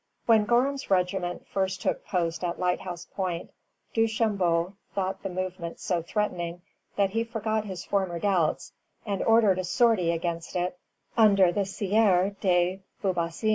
When Gorham's regiment first took post at Lighthouse Point, Duchambon thought the movement so threatening that he forgot his former doubts, and ordered a sortie against it, under the Sieur de Beaubassin.